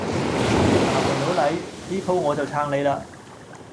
嗱，肥佬黎，呢舖我就撐你嘞